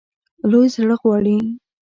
لوی زړه غواړي.